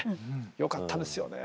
よかったですよね！